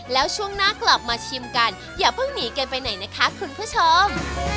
แล้วช่วงหน้ากลับมาชิมกันอย่าเพิ่งหนีกันไปไหนนะคะคุณผู้ชม